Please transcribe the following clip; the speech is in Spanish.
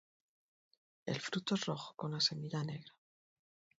El fruto es rojo con la semilla negra.